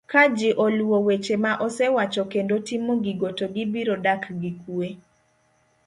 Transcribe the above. Ka ji oluwo weche ma asewacho kendo timo gigo to gibiro dak gi kue